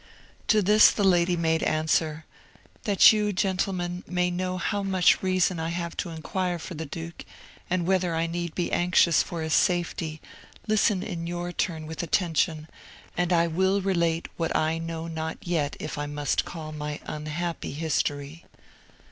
To this the lady made answer, "That you, gentlemen, may know how much reason I have to inquire for the duke, and whether I need be anxious for his safety, listen in your turn with attention, and I will relate what I know not yet if I must call my unhappy history."